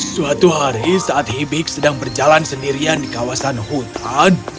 suatu hari saat hibik sedang berjalan sendirian di kawasan hutan